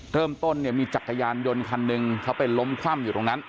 เริ่มต้นเนี่ยมีจักรยานยนต์คันหนึ่งเขาไปล้มคว่ำอยู่ตรงนั้น